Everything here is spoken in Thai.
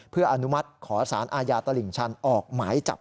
เพื่ออนุมัติขอสารอาญาตลิ่งชันออกหมายจับ